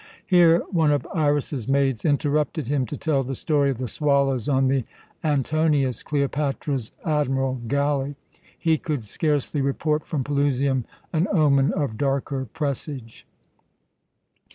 Here one of Iras's maids interrupted him to tell the story of the swallows on the "Antonius," Cleopatra's admiral galley. He could scarcely report from Pelusium an omen of darker presage.